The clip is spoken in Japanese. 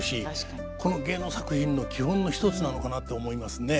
この芸能作品の基本の一つなのかなって思いますね。